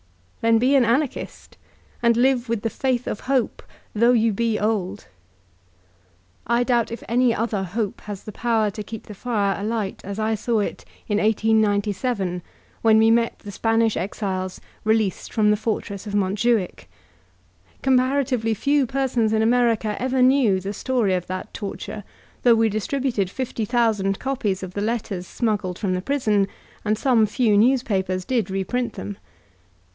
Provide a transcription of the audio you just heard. Then be an Anarchist, and live with the faith of hope, though you be old. I doubt if any other hope has the power to keep the fire alight as I saw it in 1897, when we met the Spanish exiles released from the fortress of Montjuich. Cooh paratively few persons in America ever knew the story of that torture, though we distributed fifty thousand copies of the letters smuggled from the prison, and some few newspapers did reprint them.